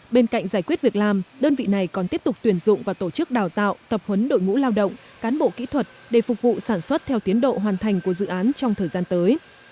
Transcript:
bên cạnh giải quyết việc làm đơn vị này còn tiếp tục tuyển dụng và tổ chức đào tạo tập huấn đội ngũ lao động cán bộ kỹ thuật để phục vụ sản xuất theo tiến độ hoàn thành của dự án trong thời gian tới